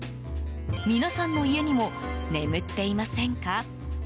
皆さんの家にも眠っていませんか？